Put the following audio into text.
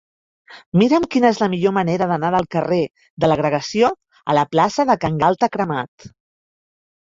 Mira'm quina és la millor manera d'anar del carrer de l'Agregació a la plaça de Can Galta Cremat.